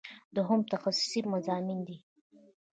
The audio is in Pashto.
دوهم تخصصي مضامین دي.